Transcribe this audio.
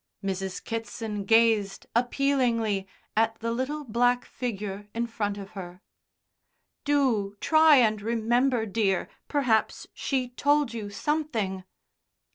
Mrs. Kitson gazed appealingly at the little black figure in front of her. "Do try and remember, dear. Perhaps she told you something."